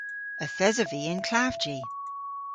Yth esov vy y'n klavji.